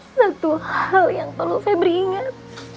satu hal yang perlu febri ingat